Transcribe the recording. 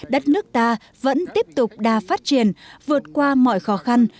đất nước ta vẫn tiếp tục đa phát triển vượt qua mọi khó khăn